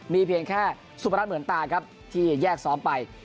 มีเพียงแค่สุพรัชเหมือนตาครับที่แยกซ้อมไป